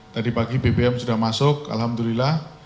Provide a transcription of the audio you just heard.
tadi pagi bbm sudah masuk alhamdulillah